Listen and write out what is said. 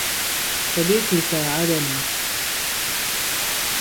صديقي ساعدني.